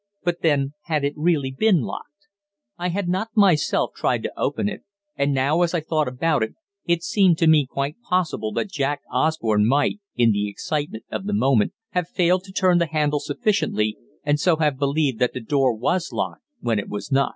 But then, had it really been locked? I had not myself tried to open it, and now as I thought about it, it seemed to me quite possible that Jack Osborne might, in the excitement of the moment, have failed to turn the handle sufficiently, and so have believed that the door was locked when it was not.